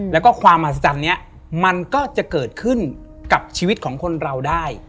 แล้วก็ความมหัศจรรย์นี้มันก็จะเกิดขึ้นกับชีวิตของคนเราได้